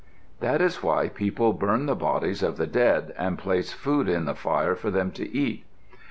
That is why people burn the bodies of the dead and place food in the fire for them to eat.